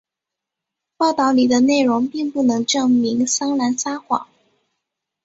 报道里的内容并不能证明桑兰撒谎。